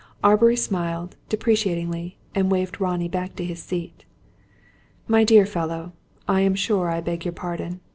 Aubrey smiled, deprecatingly, and waved Ronnie back to his seat. "My dear fellow, I am sure I beg your pardon.